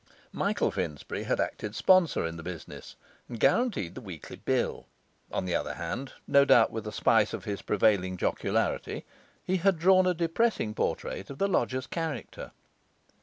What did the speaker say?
Michael Finsbury had acted sponsor in the business, and guaranteed the weekly bill; on the other hand, no doubt with a spice of his prevailing jocularity, he had drawn a depressing portrait of the lodger's character.